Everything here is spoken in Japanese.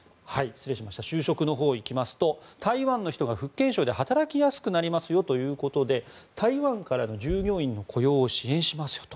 就職のほうにいきますと台湾の人が福建省で働きやすくなりますよということで台湾からの従業員の雇用を支援しますと。